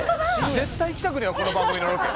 絶対行きたくねえわこの番組のロケ。